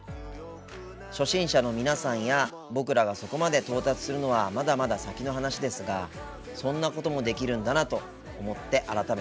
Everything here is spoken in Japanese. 初心者の皆さんや僕らがそこまで到達するのはまだまだ先の話ですがそんなこともできるんだなと思って改めて驚きました。